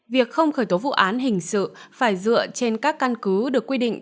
việc không khởi tố vụ án hình sự phải dựa trên các căn cứ được quy định